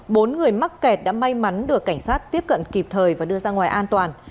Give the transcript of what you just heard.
bốn người mắc kẹt đã may mắn được cảnh sát tiếp cận kịp thời và đưa ra ngoài an toàn